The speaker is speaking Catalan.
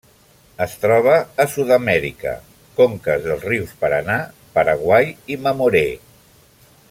Es troba a Sud-amèrica: conques dels rius Paranà, Paraguai i Mamoré.